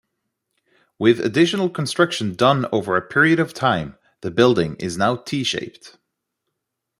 With additional construction done over a period of time, the building is now T-shaped.